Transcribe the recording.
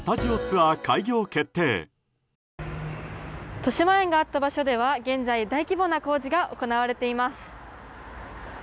としまえんがあった場所では、現在大規模な工事が行われています。